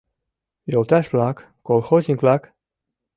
— Йолташ-влак, колхозник-влак!